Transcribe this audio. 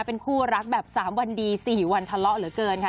เป็นคู่รักแบบ๓วันดี๔วันทะเลาะเหลือเกินค่ะ